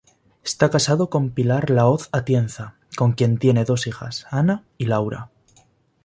Está casado con Pilar Lahoz Atienza, con quien tiene dos hijas: Anna y Laura.